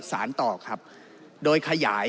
สารต่อครับโดยขยาย